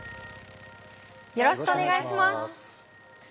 よろしくお願いします。